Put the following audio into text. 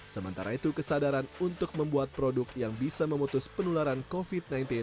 sementara itu kesadaran untuk membuat produk yang bisa memutus penularan covid sembilan belas